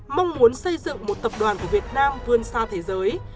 mong muốn xây dựng một tập đoàn của việt nam vươn xa thế giới